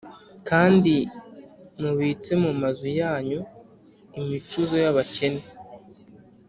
kandi mubitse mu mazu yanyu, imicuzo y’abakene.